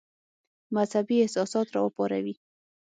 مذهبي احساسات را وپاروي.